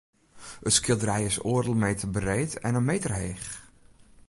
It skilderij is oardel meter breed en in meter heech.